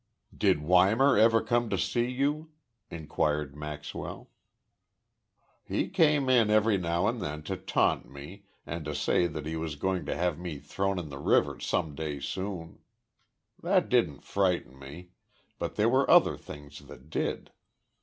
"Did Weimar ever come to see you?" inquired Maxwell. "He came in every now and then to taunt me and to say that he was going to have me thrown in the river some day soon. That didn't frighten me, but there were other things that did.